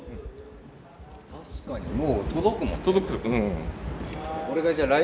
確かにもう届くもん。